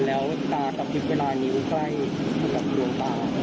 แล้วตากระพริบเวลานิ้วใกล้กับดวงตา